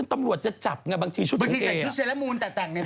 แต่บางทีคือว่ากับ